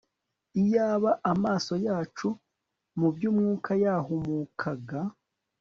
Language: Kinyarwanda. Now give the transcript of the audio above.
Iyaba amaso yacu mu byumwuka yahumukaga